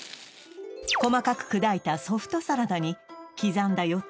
細かく砕いたソフトサラダに刻んだよっ